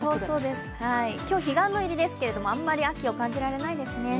今日彼岸の入りですけど、あんまり秋を感じられないですね。